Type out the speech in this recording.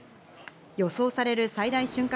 予想される最大瞬間